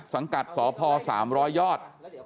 สังกัดสพ๓๐๐ยอด